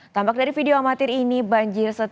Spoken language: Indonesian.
tampak dari video amatir ini banjir setelah